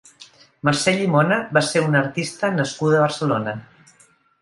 Mercè Llimona va ser una artista nascuda a Barcelona.